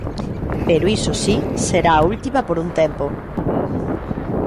Pero, iso si, será a última por un tempo.